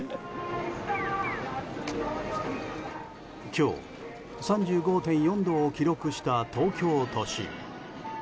今日、３５．４度を記録した東京都心。